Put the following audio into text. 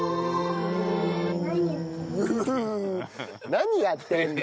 「何やってんの？」